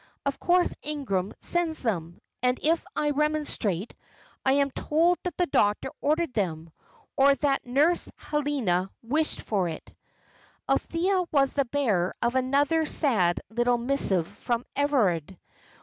Of course Ingram sends them, and if I remonstrate, I am told that the doctor ordered them, or that Nurse Helena wished for it." Althea was the bearer of another sad little missive from Everard.